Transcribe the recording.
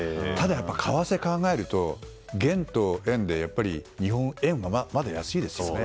やっぱり為替を考えると元と円で日本円がまだ安いですよね。